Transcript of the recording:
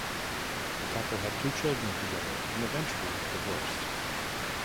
The couple had two children together and eventually divorced.